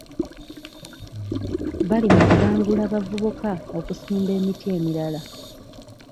Bali mu kubangula bavubuka okusimba emiti emirala.